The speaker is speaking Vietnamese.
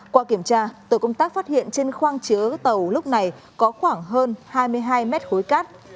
qua kiểm tra tổ công tác phát hiện trên khoang chứa tàu lúc này có khoảng hơn hai mươi hai mét khối cát